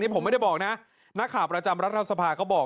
นี่ผมไม่ได้บอกนะนักข่าวประจำรัฐศาสตร์ภาคก็บอก